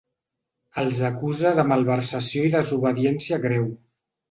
Els acusa de malversació i desobediència greu.